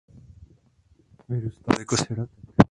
Vyrůstal jako sirotek.